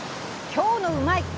今日の「うまいッ！」